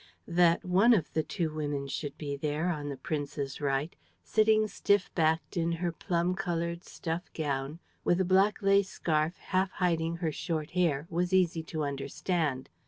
That one of the two women should be there, on the prince's right, sitting stiff backed in her plum colored stuff gown, with a black lace scarf half hiding her short hair, was easy to understand.